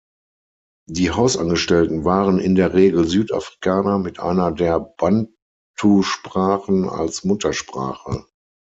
Die Hausangestellten waren in der Regel Südafrikaner mit einer der Bantusprachen als Muttersprache.